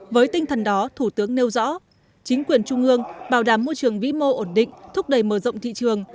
với tinh thần đó thủ tướng nêu rõ chính quyền trung ương bảo đảm môi trường vĩ mô ổn định thúc đẩy mở rộng thị trường